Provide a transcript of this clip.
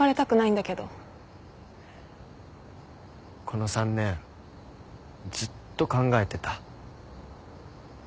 この３年ずっと考えてた。